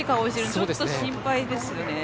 ちょっと心配ですよね。